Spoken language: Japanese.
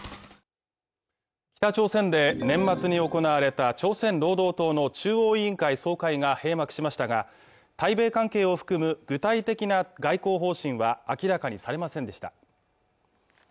北朝鮮で年末に行われた朝鮮労働党の中央委員会総会が閉幕しましたが、対米関係を含む具体的な外交方針は明らかにされませんでした。